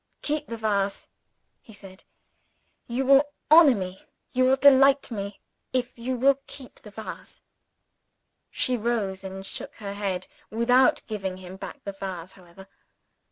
"Keep the vase!" he said. "You will honor me, you will delight me, if you will keep the vase." She rose and shook her head without giving him back the vase, however.